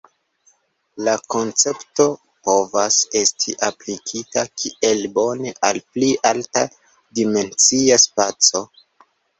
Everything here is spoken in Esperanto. La koncepto povas esti aplikita kiel bone al pli alta-dimensia spaco.